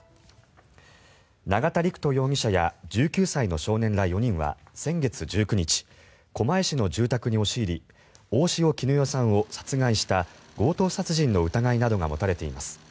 永田陸人容疑者や１９歳の少年ら４人は先月１９日狛江市の住宅に押し入り大塩衣與さんを殺害した強盗殺人の疑いなどが持たれています。